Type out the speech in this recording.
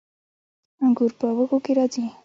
انګور په وږو کې راځي